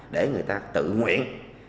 để người ta tự nguyện